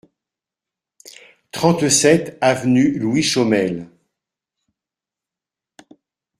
trente-sept avenue Louis Chaumel